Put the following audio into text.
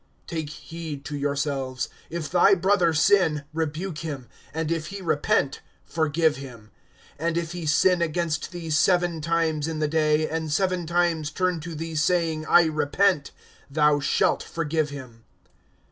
(3)Take heed to yourselves. If thy brother sin, rebuke him; and if he repent, forgive him. (4)And if he sin against thee seven times in the day, and seven times turn to thee saying, I repent, thou shalt forgive him.